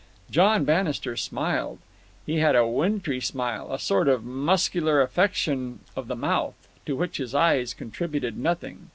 John Bannister smiled. He had a wintry smile, a sort of muscular affection of the mouth, to which his eyes contributed nothing.